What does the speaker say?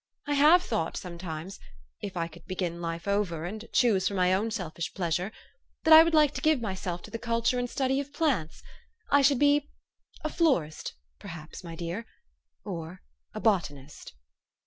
I have thought sometimes if I could begin life over, and choose for my own selfish pleasure, that I would like to give myself to the culture and study of plants. I should be a florist, perhaps, my dear ; or a botan ist."